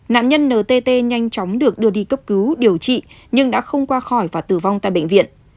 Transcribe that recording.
nạn nhân ntt nhanh chóng được đưa đi cấp cứu điều trị nhưng đã không qua khỏi và tử vong tại bệnh viện